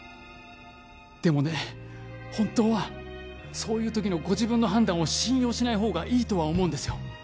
でもね本当はそういう時のご自分の判断を信用しない方がいいとは思うんですよ